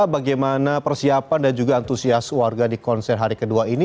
bagaimana persiapan dan juga antusias warga di konser hari kedua ini